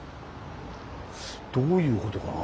どういうことかな？